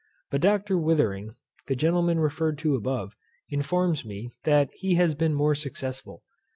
But Dr. Withering, the gentleman referred to above, informs me, that he has been more successful.